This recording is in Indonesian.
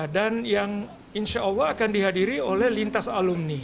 dan yang insya allah akan dihadiri oleh lintas alumni